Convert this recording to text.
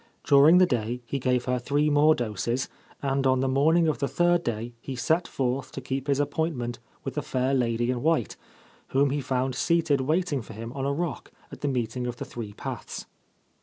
During the day he gave her three more doses, and on the morning of the third day he set forth to keep his appoint ment with the fair lady in white, whom he found seated waiting for him on a rock at the meeting of the three paths.